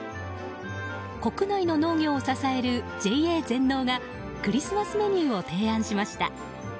国内の農業を支えるＪＡ全農がクリスマスメニューを提案しました。